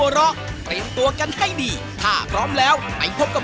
เรา๓คนแบบนี้กับรายการ